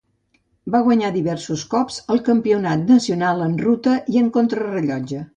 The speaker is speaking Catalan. Va guanyar diversos cops el campionat nacional en ruta i en contrarellotge.